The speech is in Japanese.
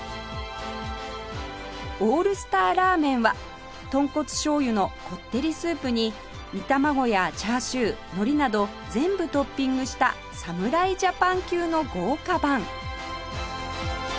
オールスターラーメンは豚骨しょうゆのこってりスープに煮卵やチャーシューのりなど全部トッピングした侍ジャパン級の豪華版